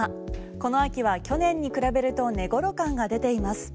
この秋は去年に比べると値ごろ感が出ています。